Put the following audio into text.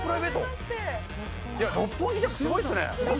六本木ってすごいですね。